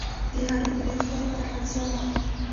د هډوکو د روغتیا لپاره کلسیم وخورئ